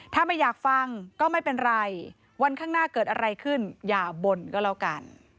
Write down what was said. ถ้าไม่อยากฟังก็ไม่เป็นไรวันข้างหน้าเกิดอะไรขึ้นอย่าบ่นก็แล้วกัน